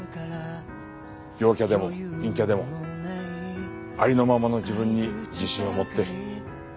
陽キャでも陰キャでもありのままの自分に自信を持って生きていってください。